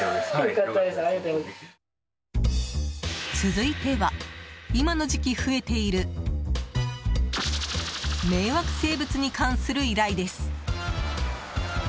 続いては今の時期増えている迷惑生物に関する依頼です。